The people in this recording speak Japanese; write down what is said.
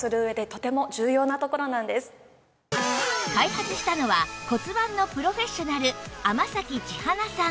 開発したのは骨盤のプロフェッショナル天咲千華さん